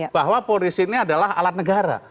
bahwa polisi ini adalah alat negara